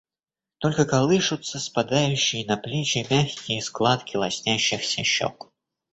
Только колышутся спадающие на плечи мягкие складки лоснящихся щек.